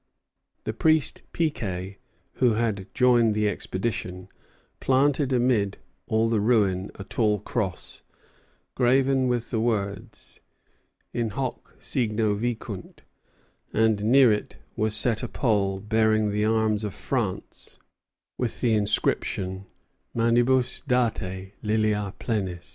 The priest Piquet, who had joined the expedition, planted amid the ruin a tall cross, graven with the words, In hoc signo vincunt; and near it was set a pole bearing the arms of France, with the inscription, Manibus date lilia plenis.